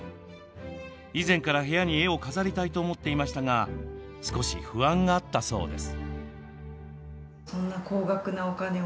以前から部屋に絵を飾りたいと思っていましたが少し不安があったそうです。